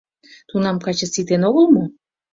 — Тунам каче ситен огыл мо?